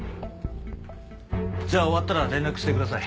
じゃあ終わったら連絡してください。